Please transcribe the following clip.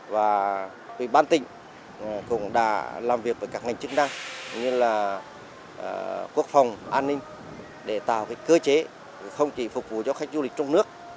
và ủy ban tỉnh cũng đã làm việc với các ngành chức năng như là quốc phòng an ninh để tạo cơ chế không chỉ phục vụ cho khách du lịch trong nước